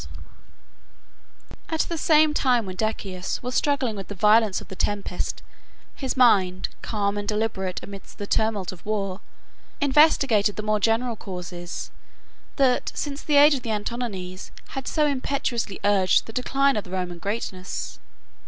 ] At the same time when Decius was struggling with the violence of the tempest, his mind, calm and deliberate amidst the tumult of war, investigated the more general causes that, since the age of the Antonines, had so impetuously urged the decline of the Roman greatness.